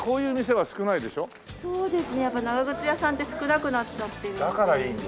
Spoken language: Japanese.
そうですねやっぱ長靴屋さんって少なくなっちゃってるんで。